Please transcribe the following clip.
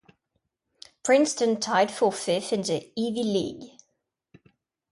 Princeton tied for fifth in the Ivy League.